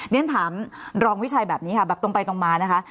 ฉะนั้นถามรองวิชาแบบนี้ตรงไปตรงมานะคะ